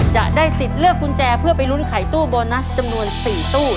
จะได้สิทธิ์เลือกกุญแจเพื่อไปลุ้นไขตู้โบนัสจำนวน๔ตู้